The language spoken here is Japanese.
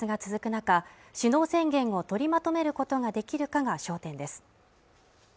中首脳宣言を取りまとめることができるかが焦点です